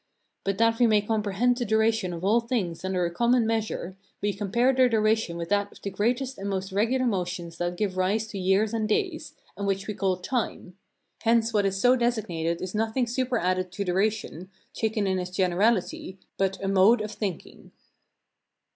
But that we may comprehend the duration of all things under a common measure, we compare their duration with that of the greatest and most regular motions that give rise to years and days, and which we call time; hence what is so designated is nothing superadded to duration, taken in its generality, but a mode of thinking.